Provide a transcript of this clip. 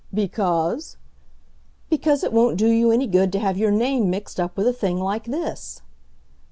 "Because?" "Because it won't do you any good to have your name mixed up with a thing like this."